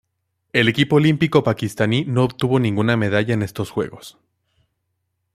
El equipo olímpico pakistaní no obtuvo ninguna medalla en estos Juegos.